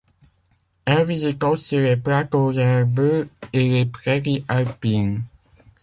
Elle visite aussi les plateaux herbeux et les prairies alpines.